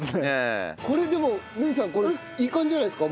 これでも留美さんいい感じじゃないですか？